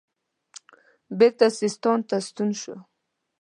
بیرته سیستان ته ستون شو.